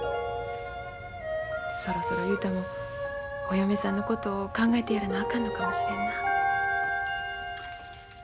そろそろ雄太もお嫁さんのことを考えてやらなあかんのかもしれんな。